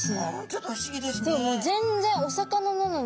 ちょっと不思議ですね。